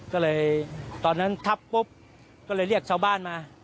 ก็เลยตอนนั้นทับปุ๊บก็เลยเรียกชาวบ้านมา